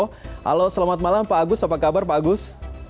halo selamat malam pak agus apa kabar pak agus